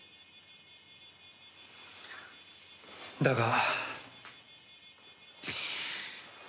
だが。